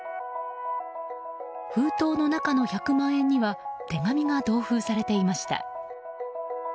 封筒の中の１００万円には手紙が同封されていました。